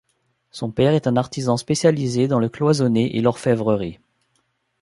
Son père est un artisan spécialisé dans le cloisonné et l’orfèvrerie.